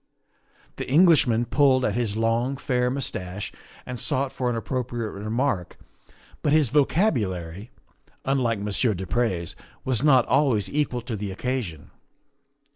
The Englishman pulled at his long, fair mustache and sought for an appropriate remark, but his vocabulary, unlike Monsieur du Pre's, was not always equal to the occasion.